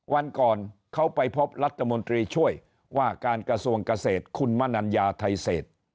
วันก่อนเขาไปพบรัฐมนตรีช่วยว่าการกระทรวงเกษตรคุณมนัญญาไทยเศษ